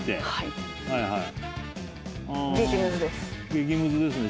激ムズですね。